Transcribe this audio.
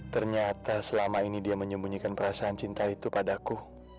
ternyata selama ini dia menyembunyikan perasaan cinta itu padaku